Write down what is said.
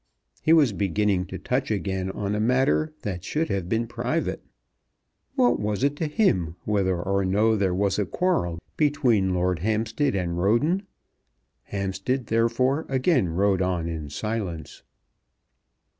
He was beginning to touch again on a matter that should have been private. What was it to him whether or no there was a quarrel between Lord Hampstead and Roden. Hampstead therefore again rode on in silence.